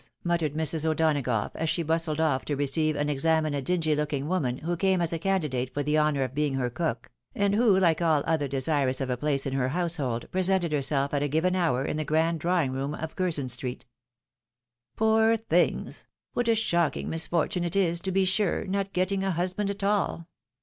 muttered Mrs. O'Donagough, as she bustled off to receive and examine a dingy looking woman, who came as a candidate for the honour of being her cook, and who, like all others desirous of a place in her household, presented herself at a given hour in the grand drawing room of Curzon street. " Poor things ! what a shocking misfortune it is, to be sure, not getting a husband at all